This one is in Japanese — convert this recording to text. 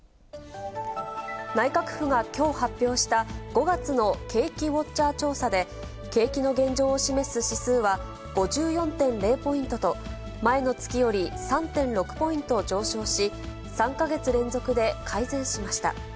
内閣府がきょう発表した５月の景気ウォッチャー調査で、景気の現状を示す指数は５４．０ポイントと、前の月より３．６ポイント上昇し、３か月連続で改善しました。